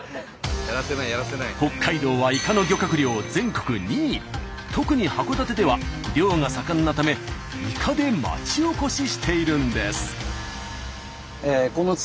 北海道は特に函館では漁が盛んなためイカで町おこししているんです。